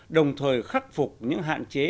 đồng thời khắc phục những hạn chế